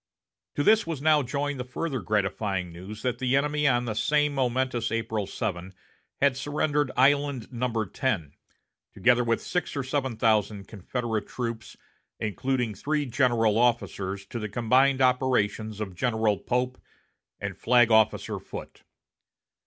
To this was now joined the further gratifying news that the enemy on that same momentous April 7 had surrendered Island No. 10, together with six or seven thousand Confederate troops, including three general officers, to the combined operations of General Pope and Flag Officer Foote.